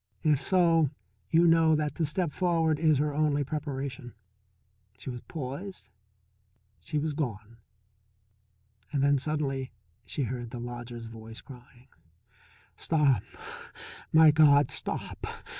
If so you know that to step forward is her only preparation. She was poised, she was gone. Then suddenly she heard the lodger's voice crying: "Stop my God, stop!